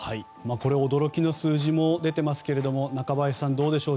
驚きの数字も出ていますけれども中林さん、どうでしょう。